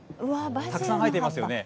たくさん生えていますよね。